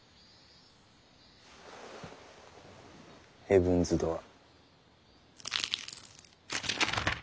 ヘブンズ・ドアー。